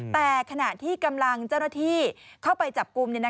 แต่ขณะที่กำลังเจ้าหน้าที่เข้าไปจับกลุ่ม